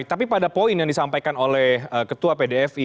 tapi pada poin yang disampaikan oleh ketua pdfi